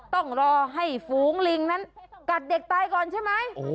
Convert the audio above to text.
ต้องรอให้ฝูงลิงนั้นกัดเด็กตายก่อนใช่ไหม